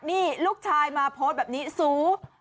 นี่ลูกชายมาโพสต์แบบนี้สู